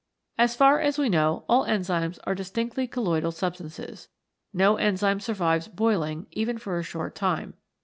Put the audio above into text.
As far as we know all enzymes are distinctly colloidal substances. No enzyme survives boiling even for a short time.